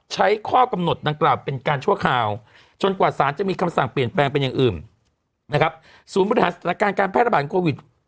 ข้อกำหนดดังกล่าวเป็นการชั่วคราวจนกว่าสารจะมีคำสั่งเปลี่ยนแปลงเป็นอย่างอื่นนะครับศูนย์บริหารสถานการณ์การแพร่ระบาดโควิด